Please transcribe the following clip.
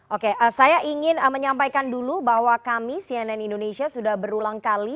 oke saya ingin menyampaikan dulu bahwa kami cnn indonesia sudah berulang kali